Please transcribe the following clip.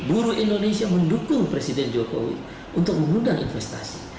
buruh indonesia mendukung presiden jokowi untuk mengundang investasi